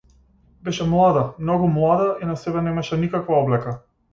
Беше млада, многу млада, и на себе немаше никаква облека.